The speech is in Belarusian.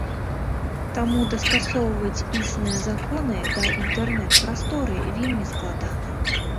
Таму дастасоўваць існыя законы да інтэрнэт-прасторы вельмі складана.